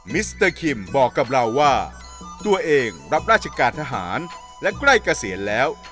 มิสเตอร์คิมบอกกับเราว่าตัวเองรับราชการทหารและใกล้เกษียณแล้ว